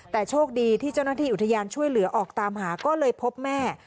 แต่โชคดีที่เจ้าหน้าที่อุทยานช่วยเหลือออกตามหาก็เลยพบแม่